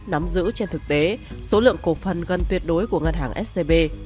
nắm giữ trên thực tế số lượng cổ phần gần tuyệt đối của ngân hàng scb